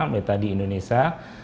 meta di indonesia